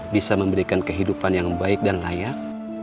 bisa memberikan kehidupan yang baik dan layak